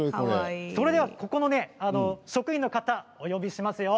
ここの職員の方お呼びしますよ。